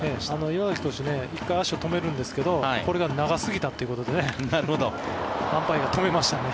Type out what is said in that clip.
岩崎投手１回足を止めるんですがこれが長すぎたということでアンパイアが止めましたね。